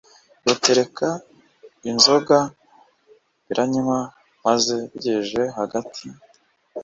rutereka inzoga biranywa maze bigejeje hagati